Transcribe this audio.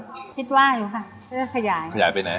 ก็คิดว่าอยู่ค่ะจะขยายขยายไปไหน